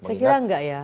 saya kira enggak ya